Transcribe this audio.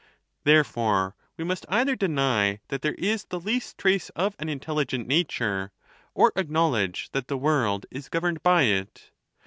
Therefore we must either deny that there lis the least trace of an intelligent nature, or acknowledge 'that the world is governed by it.